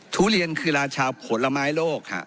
ทุเรียนคือราชาผลไม้โลก